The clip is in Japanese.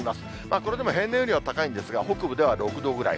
これでも平年よりは高いんですが、北部では６度ぐらい。